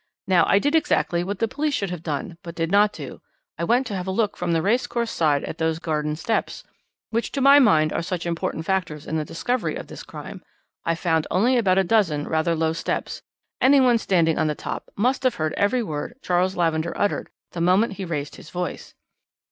Now, I did exactly what the police should have done, but did not do. I went to have a look from the racecourse side at those garden steps which to my mind are such important factors in the discovery of this crime. I found only about a dozen rather low steps; anyone standing on the top must have heard every word Charles Lavender uttered the moment he raised his voice."